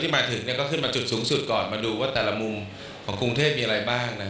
มาถึงก็ขึ้นมาจุดสูงสุดก่อนมาดูว่าแต่ละมุมของกรุงเทพมีอะไรบ้าง